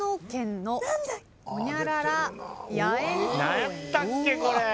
何やったっけこれ。